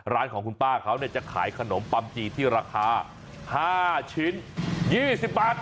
ร้านของคุณป้าเขาจะขายขนมปัมจีที่ราคา๕ชิ้น๒๐บาท